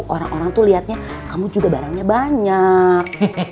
orang orang tuh lihatnya kamu juga barangnya banyak